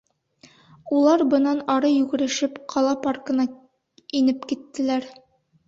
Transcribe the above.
Улар бынан ары йүгерешеп ҡала паркына инеп киттеләр.